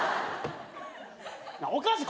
おかしい。